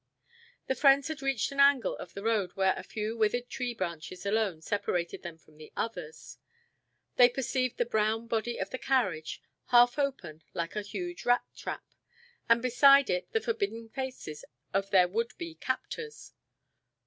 The friends had reached an angle of the road where a few withered tree branches alone separated them from the others. They perceived the brown body of the carriage, half open like a huge rat trap, and beside it the forbidding faces of their would be captors.